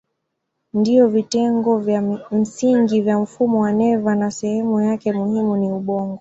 Ndiyo vitengo vya msingi vya mfumo wa neva na sehemu yake muhimu ni ubongo.